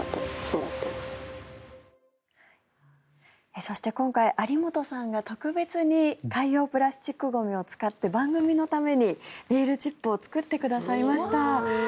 そして今回有本さんが特別に海洋プラスチックゴミを使って番組のためにネイルチップを作ってくださいました。